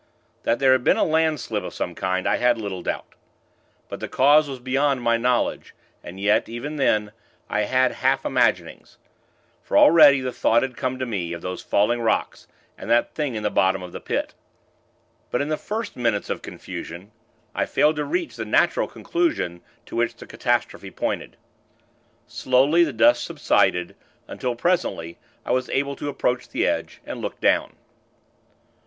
That there had been a land slip of some kind, I had little doubt; but the cause was beyond my knowledge; and yet, even then, I had half imaginings; for, already, the thought had come to me, of those falling rocks, and that Thing in the bottom of the Pit; but, in the first minutes of confusion, I failed to reach the natural conclusion, to which the catastrophe pointed. Slowly, the dust subsided, until, presently, I was able to approach the edge, and look down.